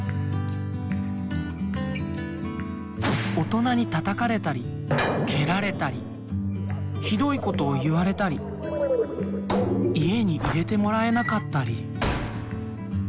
おとなにたたかれたりけられたりひどいことをいわれたりいえにいれてもらえなかったり。